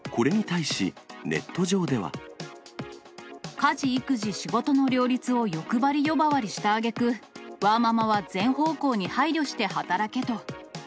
家事、育児、仕事の両立をよくばり呼ばわりしたあげく、ワーママは全方向に配慮して働けと。